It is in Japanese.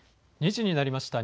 ２時になりました。